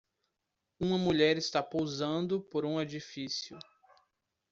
Uma mulher está posando por um edifício.